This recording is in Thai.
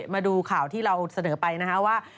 มาดูข่าวที่เราเสนอไปนะครับว่า